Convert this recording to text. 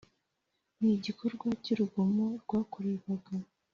N igikorwa cy urugomo rwakorerwaga